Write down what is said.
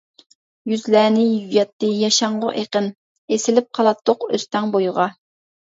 يۈزلەرنى يۇياتتى ياشاڭغۇ ئېقىن، ئېسىلىپ قالاتتۇق ئۆستەڭ بويىغا.